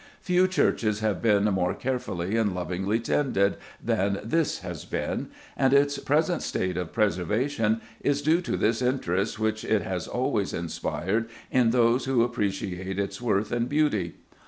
Few churches have been more carefully and lovingly tended than this has been, and its present state of preservation is due to this interest which it has always inspired in those who appreciate its worth and beauty.